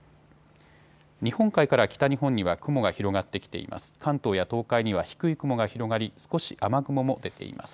日本海から北日本には雲が広がってきています。